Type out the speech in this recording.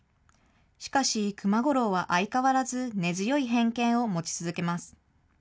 しかし熊五郎は相変わらず根強い偏見を持ち続けます。